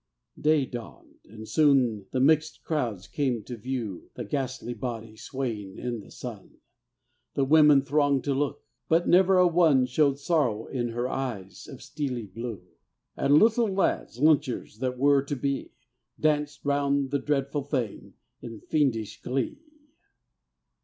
Day dawned, and soon the mixed crowds came to view The ghastly body swaying in the sun: The women thronged to look, but never a one Showed sorrow in her eyes of steely blue; And little lads, lynchers that were to be, Danced round the dreadful thing in fiendish glee.